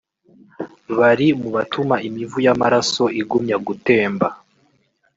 bari mu batuma imivu y’amaraso igumya gutemba